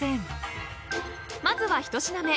［まずは一品目！］